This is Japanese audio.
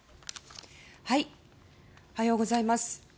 おはようございます。